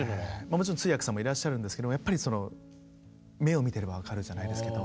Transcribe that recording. もちろん通訳さんもいらっしゃるんですけどやっぱりその目を見てれば分かるじゃないですけど。